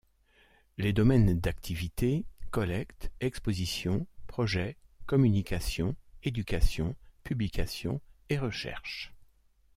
Les domaines d'activité: collecte, expositions, projets, communication, éducation, publications et recherche.